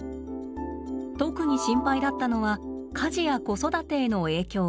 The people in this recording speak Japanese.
特に心配だったのは家事や子育てへの影響。